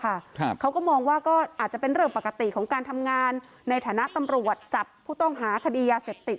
เขาก็มองว่าก็อาจจะเป็นเรื่องปกติของการทำงานในฐานะตำรวจจับผู้ต้องหาคดียาเสพติด